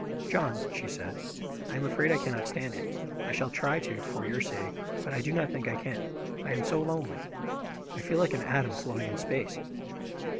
"John," she said, "I am afraid I cannot stand it. I shall try to, for your sake, but I do not think I can. I am so lonely! I feel like an atom floating in space."